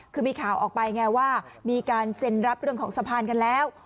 คือมีข่าวออกไปไงว่ามีการเซ็นรับเรื่องของสะพานกันแล้ว